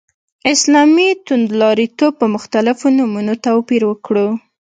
اسلامي توندلاریتوب په مختلفو نومونو توپير کړو.